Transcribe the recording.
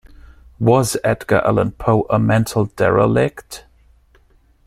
Was Edgar Allan Poe a mental derelict?